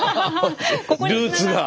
ルーツが。